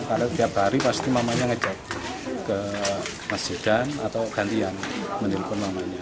karena tiap hari pasti mamanya ngejak ke masjid atau gantian menelpon mamanya